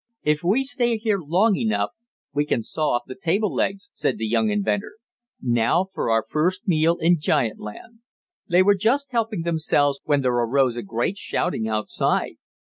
"If we stay here long enough we can saw off the table legs," said the young inventor. "Now for our first meal in giant land." They were just helping themselves when there arose a great shouting outside.